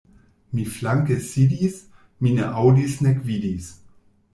Mi flanke sidis, mi ne aŭdis nek vidis.